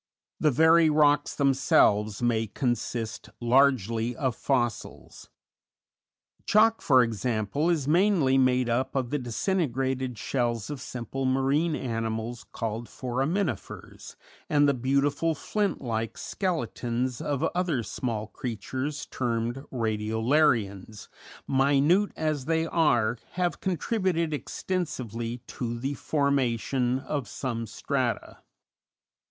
The very rocks themselves may consist largely of fossils; chalk, for example, is mainly made up of the disintegrated shells of simple marine animals called foraminifers, and the beautiful flint like "skeletons" of other small creatures termed radiolarians, minute as they are, have contributed extensively to the formation of some strata.